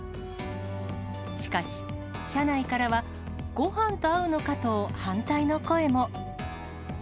しかし、社内からは、ごはんと合うのかと反対の声も。